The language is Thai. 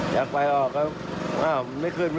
ชักไฟออกแล้วไม่ขึ้น